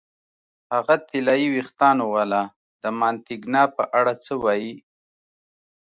هغه طلايي وېښتانو والا، د مانتیګنا په اړه څه وایې؟